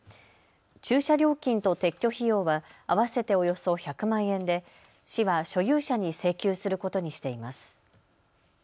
駐車料金と撤去費用は合わせておよそ１００万円で市は所有者に請求することにしています。